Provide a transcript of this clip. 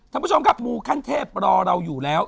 ท่านผู้ชมครับมูขั้นเทพรอเราอยู่แล้ว